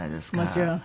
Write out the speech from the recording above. もちろん。